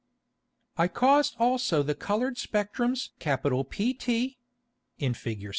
I caused also the coloured Spectrums PT [in _Fig.